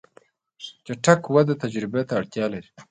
چټک وده تجربه ته اړتیا لري.